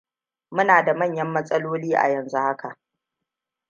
Muna da manyan matsaloli a yanzu haka.